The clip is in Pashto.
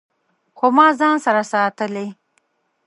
خو ما ځان سره ساتلي